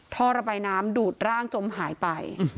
ท่อระบายน้ำดูดร่างจมหายไป